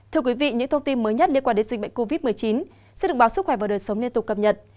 thưa quý vị những thông tin mới nhất liên quan đến dịch bệnh covid một mươi chín sẽ được báo sức khỏe và đời sống liên tục cập nhật